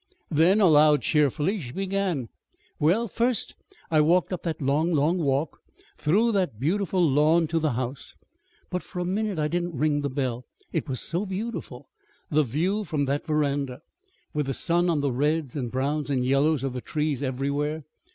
Then, aloud, cheerily, she began: [Illustration: "SO I RANG THE BELL."] "Well, first, I walked up that long, long walk through that beautiful lawn to the house; but for a minute I didn't ring the bell. It was so beautiful the view from that veranda, with the sun on the reds and browns and yellows of the trees everywhere!